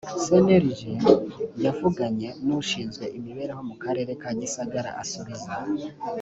cnlg yavuganye n ushinzwe imibereho mu karere ka gisagara asubiza